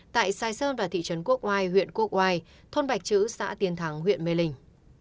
tại sài sơn và thị trấn quốc oai huyện quốc oai thôn bạch chữ xã tiến thắng huyện mê linh